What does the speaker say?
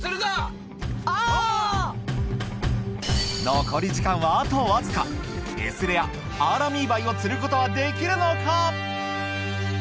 残り時間はあとわずかＳレアアーラミーバイを釣ることはできるのか？